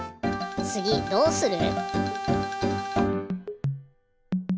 つぎどうする？